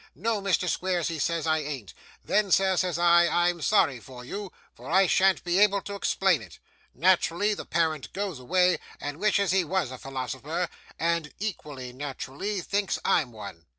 "No, Mr. Squeers," he says, "I an't." "Then, sir," says I, "I am sorry for you, for I shan't be able to explain it." Naturally, the parent goes away and wishes he was a philosopher, and, equally naturally, thinks I'm one.